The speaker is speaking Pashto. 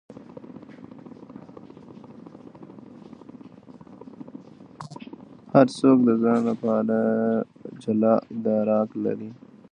هر څوک د ځان په اړه جلا ادراک لري.